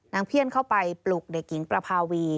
เพี้ยนเข้าไปปลุกเด็กหญิงประภาวี